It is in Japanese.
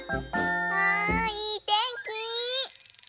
あいいてんき。